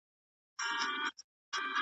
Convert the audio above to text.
هم په عقل هم په ژبه گړندى وو `